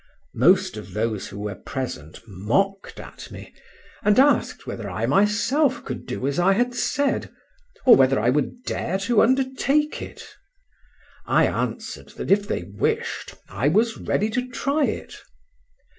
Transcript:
Most of those who were present mocked at me, and asked whether I myself could do as I had said, or whether I would dare to undertake it. I answered that if they wished, I was ready to try it.